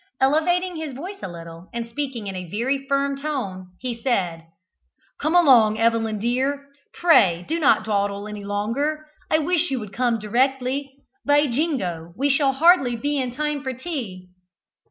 Elevating his voice a little, and speaking in a very firm tone, he said: "Come along, Evelyn dear, pray do not dawdle any longer. I wish you would come directly. By jingo, we shall hardly be in time for tea!"